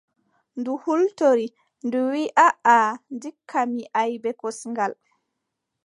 Ndu hultori. Ndu wiʼi: aaʼa ndikka mi iʼa bee kosngal.